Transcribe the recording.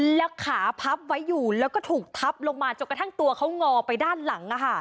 แล้วขาพับไว้อยู่แล้วก็ถูกทับลงมาจนกระทั่งตัวเขางอไปด้านหลัง